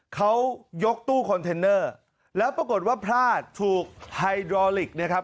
เขายกตู้คอนเทนเนอร์แล้วปรากฏว่าพลาดถูกไฮดรอลิกนะครับ